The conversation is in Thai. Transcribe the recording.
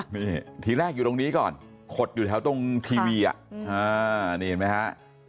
นี่ทีแรกอยู่ตรงนี้ก่อนขดอยู่แถวตรงทีวีนี่เห็นไหมฮะ